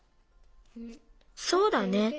そうだね。